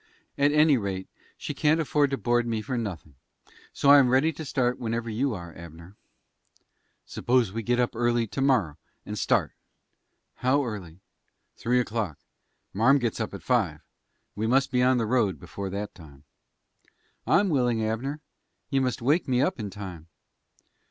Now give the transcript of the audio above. "At any rate, she can't afford to board me for nothing. So I am ready to start whenever you are, Abner." "Suppose we get up early to morror and start?" "How early?" "Three o'clock. Marm gets up at five. We must be on the road before that time." "I'm willing, Abner. You must wake me up in time."